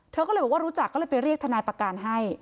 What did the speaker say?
เธอก็เลยบอกว่ารู้จักก็เลยไปเรียกทนายประการให้